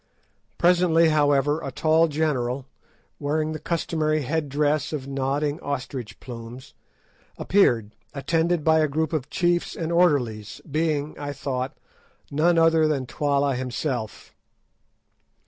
Presently, however, a tall general, wearing the customary head dress of nodding ostrich plumes, appeared, attended by a group of chiefs and orderlies, being, I thought, none other than Twala himself.